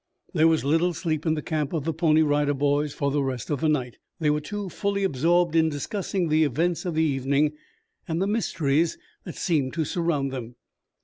There was little sleep in the camp of the Pony Rider Boys for the rest of the night. They were too fully absorbed in discussing the events of the evening and the mysteries that seemed to surround them.